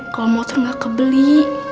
kalau motor gak kebeli